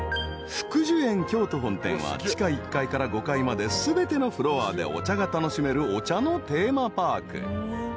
［福寿園京都本店は地下１階から５階まで全てのフロアでお茶が楽しめるお茶のテーマパーク］